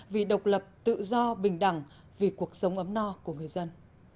vì độc lập tự do bình đẳng vì cuộc sống ấm no của người dân